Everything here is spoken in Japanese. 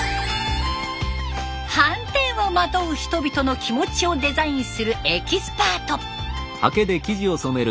はんてんをまとう人々の気持ちをデザインするエキスパート。